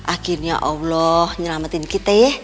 akhirnya allah nyelamatin kita ya